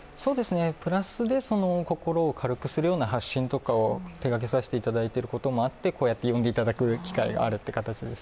プラスで心を軽くするような発信を手がけさせていただくこともあってこうやって呼んでいただく機会があるという形です。